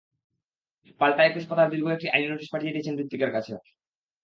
পাল্টা একুশ পাতার দীর্ঘ একটি আইনি নোটিশ পাঠিয়ে দিয়েছেন হৃতিকের কাছে।